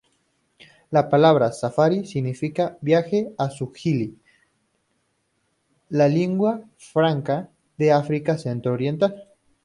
La palabra "safari" significa viaje en suajili, la lingua franca de África centro-oriental.